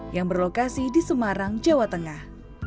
yang berlokasi di semarang jawa tengah